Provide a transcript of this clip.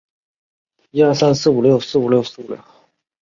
南宋宝佑四年与文天祥等人同科中进士。